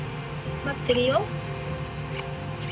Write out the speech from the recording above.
待ってるよ。